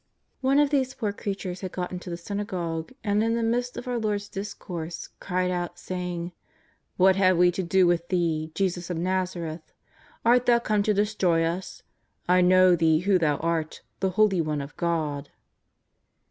One of these poor creatures had got into the synagogue, and in the midst of our Lord's discourse cried out say ing: " What have we to do with Thee, Jesus of Xazareth ! Art Thou come to destroy us ? I know Thee who Thou art, the Holy One of God.''